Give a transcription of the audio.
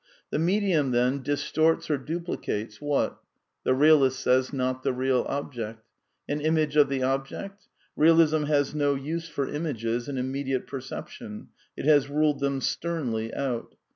The medium, then, distorts or duplicates — what ? The realist says, Not the real object. An image of the object ? Bealism has no use for images in immediate perception ; it has ruled them sternly out.